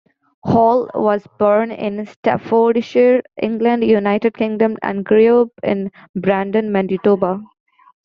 Hall was born in Staffordshire, England, United Kingdom and grew up in Brandon, Manitoba.